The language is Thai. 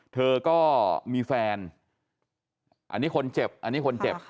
เธอก็มีแฟนอันนี้คนเจ็บอันนี้คนเจ็บ